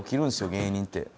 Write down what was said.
芸人って。